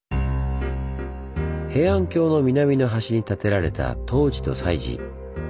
平安京の南の端に建てられた東寺と西寺。